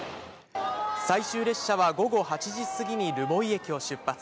最終列車は午後８時過ぎに留萌駅を出発。